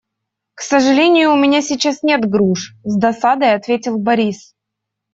«К сожалению, у меня сейчас нет груш», - с досадой ответил Борис.